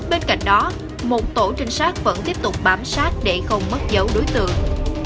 bên cạnh đó một tổ trinh sát vẫn tiếp tục bám sát để không mất dấu đối tượng